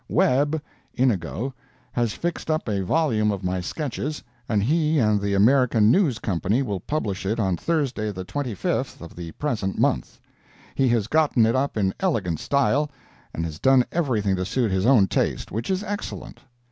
Webb ("Inigo") has fixed up a volume of my sketches, and he and the American News Company will publish it on Thursday, the 25th of the present month. He has gotten it up in elegant style, and has done everything to suit his own taste, which is excellent.